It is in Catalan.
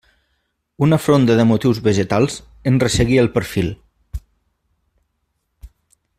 Una fronda de motius vegetals en resseguia el perfil.